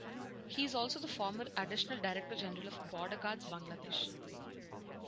He is also the former additional director general of Border Guards Bangladesh.